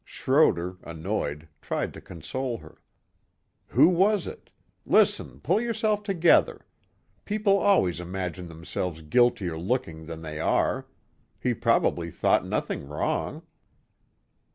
Schroder, annoyed, tried to console her. "Who was it? Listen, pull yourself together. People always imagine themselves guiltier looking than they are. He probably thought nothing wrong."